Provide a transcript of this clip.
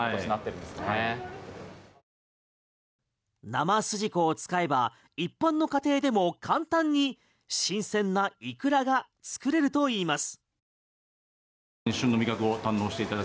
生すじこを使えば一般の家庭でも簡単に新鮮なイクラが作れるといいます。